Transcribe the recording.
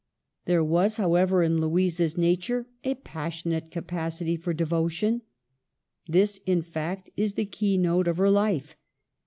There was, how ever, in Louisa's nature a passionate capacity for devotion. This, in fact, is the key note of her life.